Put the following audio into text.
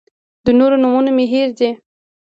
د نورو نومونه مې هېر دي.